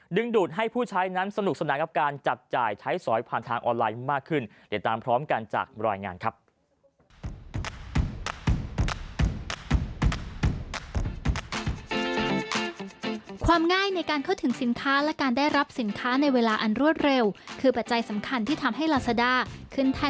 ดึงดูดให้ผู้ใช้นั้นสนุกสนานกับการจัดจ่ายไทยสอยผ่านทางออนไลน์มากขึ้น